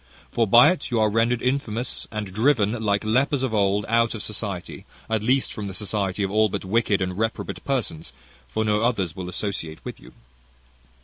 "For by it you are rendered infamous, and driven, like lepers of old, out of society; at least, from the society of all but wicked and reprobate persons; for no others will associate with you.